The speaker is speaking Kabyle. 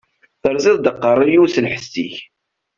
Teṛṛẓiḍ-d aqeṛṛu-yiw s lḥess-ik!